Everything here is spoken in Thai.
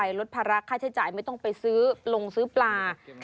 ลดภาระค่าใช้จ่ายไม่ต้องไปซื้อลงซื้อปลา